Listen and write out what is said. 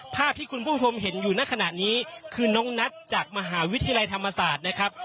ภาพที่คุณผู้ชมเห็นอยู่ในขณะนี้คือน้องนัทจากมหาวิทยาลัยธรรมศาสตร์นะครับ